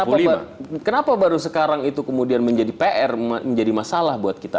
tapi kenapa baru sekarang itu kemudian menjadi pr menjadi masalah buat kita